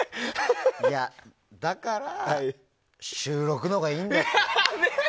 いや、だから収録のほうがいいんだって。